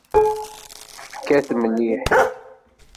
Tekkat mliḥ.